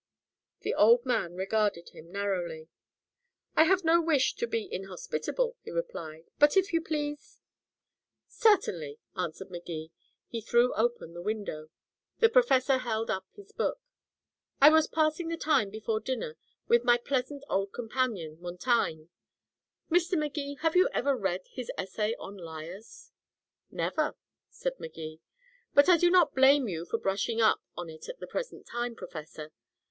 The old man regarded him narrowly. "I have no wish to be inhospitable," he replied. "But if you please " "Certainly," answered Magee. He threw open the window. The professor held up his book. "I was passing the time before dinner with my pleasant old companion, Montaigne. Mr. Magee, have you ever read his essay on liars?" "Never," said Magee. "But I do not blame you for brushing up on it at the present time, Professor.